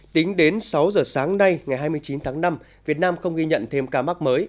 tính đến sáu giờ sáng nay ngày hai mươi chín tháng năm việt nam không ghi nhận thêm ca mắc mới